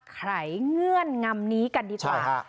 ไรเงื่อนงำนี้กันดีกว่า